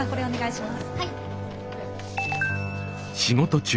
はい。